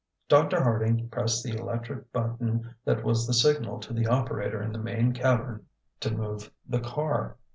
Dr. Harding pressed the electric button that was the signal to the operator in the main cavern to move the car.